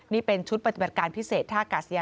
นี่เป็นชุดปฏิบัติการพิเศษท่ากาศยาน